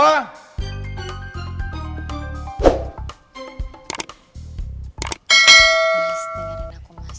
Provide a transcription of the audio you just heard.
mas dengerin aku mas